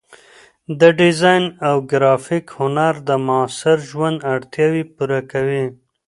د ډیزاین او ګرافیک هنر د معاصر ژوند اړتیاوې پوره کوي.